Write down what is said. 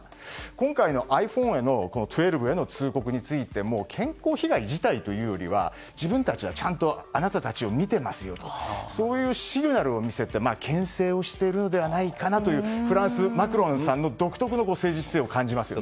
今回のｉＰｈｏｎｅ１２への通告についても健康被害自体というより自分たちはあなたたちをちゃんと見ていますよとそういうシグナルを見せて牽制をしているのではないかなという、フランスマクロンさんの独特な政治姿勢を感じますよね。